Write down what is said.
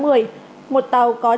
một tàu có chín lao động